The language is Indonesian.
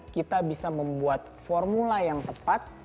kita bisa membuat formula yang tepat